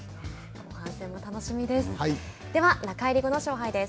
後半戦も楽しみです。